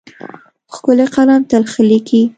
ښکلی قلم تل ښه لیکي.